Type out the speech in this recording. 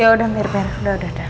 yaudah mir mir udah udah udah